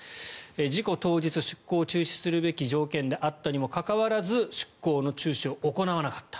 事故当日、出港を中止するべき条件であったにもかかわらず出港の中止を行わなかった。